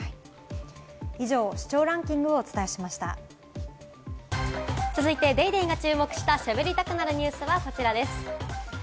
以上、視聴ランキングをお伝続いて『ＤａｙＤａｙ．』が注目した、しゃべりたくなるニュスはこちらです。